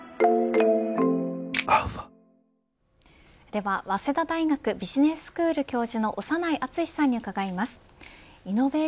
では早稲田大学ビジネススクール教授の長内厚さんに伺います。